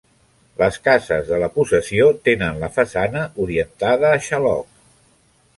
Les cases de la possessió tenen la façana orientada a xaloc.